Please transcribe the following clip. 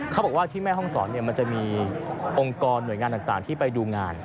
เขาบอกว่าที่แม่ห้องศรมันจะมีองค์กรหน่วยงานต่างที่ไปดูงาน